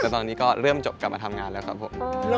แต่ตอนนี้ก็เริ่มจบกลับมาทำงานแล้วครับผม